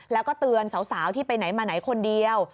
แล้วก็เตือนสาวที่ไปไหนมาไหนคนเดียว